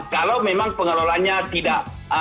kalau memang pengelolaannya tidak